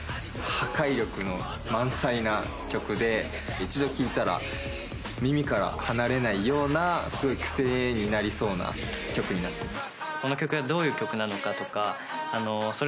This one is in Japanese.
一度聴いたら耳から離れないような、すごい癖になりそうな曲になっています。